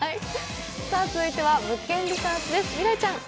続いては「物件リサーチ」です。